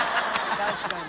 確かに。